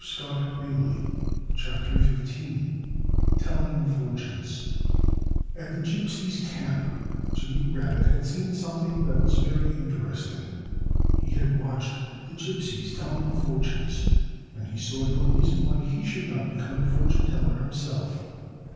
[Illustration: 15 Telling Fortunes] 15 Telling Fortunes At the gypsies' camp Jimmy Rabbit had seen something that was very interesting. He had watched the gypsies telling fortunes. And he saw no reason why he should not become a fortune teller himself.